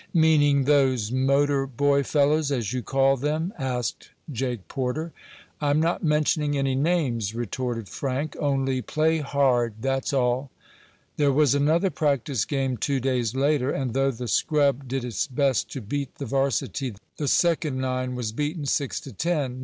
"Meaning those motor boy fellows, as you call them?" asked Jake Porter. "I'm not mentioning any names," retorted Frank. "Only play hard, that's all." There was another practice game two days later, and though the scrub did its best to beat the varsity, the second nine was beaten six to ten.